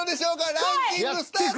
ランキングスタート。